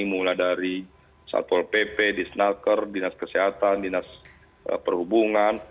mulai dari satpol pp disnalker dinas kesehatan dinas perhubungan